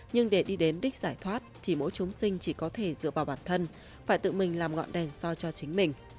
nhưng để đi đến đích giải thoát thì mỗi chúng sinh chỉ có thể dựa vào bản thân phải tự mình làm ngọn đèn soi cho chính mình